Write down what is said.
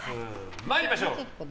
参りましょう！